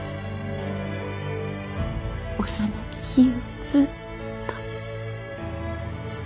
幼き日よりずっと。